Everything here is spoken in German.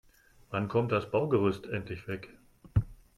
Wann kommt das Baugerüst endlich weg?